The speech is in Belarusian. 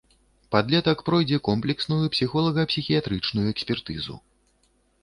Падлетак пройдзе комплексную псіхолага-псіхіятрычную экспертызу.